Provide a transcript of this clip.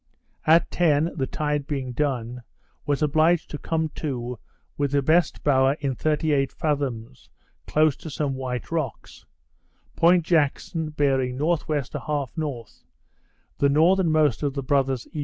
At ten, the tide being done, was obliged to come to with the best bower in thirty eight fathoms, close to some white rocks, Point Jackson bearing N.W. 1/2 N.; the northernmost of the Brothers E.